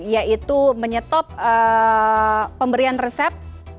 yaitu menyetop pemberian resep